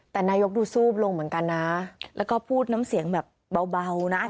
แต่นายกดูซูบลงเหมือนกันนะแล้วก็พูดน้ำเสียงแบบเบานะ